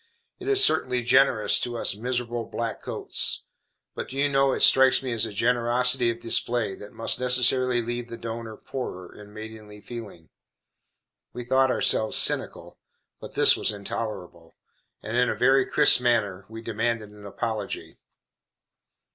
It is certainly generous to us miserable black coats. But, do you know, it strikes me as a generosity of display that must necessarily leave the donor poorer in maidenly feeling." We thought ourselves cynical, but this was intolerable; and in a very crisp manner we demanded an apology.